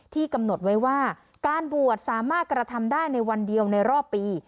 กำหนดไว้ว่าการบวชสามารถกระทำได้ในวันเดียวในรอบปี